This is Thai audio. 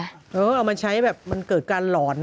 เอามาใช้แบบมันเกิดการหลอน